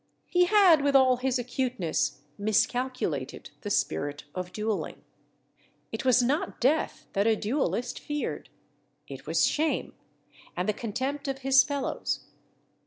He had with all his acuteness, miscalculated the spirit of duelling. It was not death that a duellist feared; it was shame, and the contempt of his fellows.